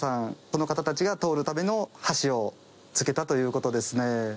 その方たちが通るための橋を付けたという事ですね。